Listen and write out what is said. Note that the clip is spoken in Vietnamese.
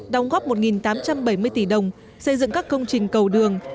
đóng góp một tám trăm bảy mươi tỷ đồng xây dựng các công trình cầu đường